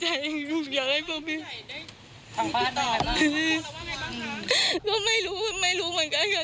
ไม่ไม่ไม่ไม่ไม่ไม่ไม่ไม่ไม่ไม่ไม่ไม่ไม่ไม่ไม่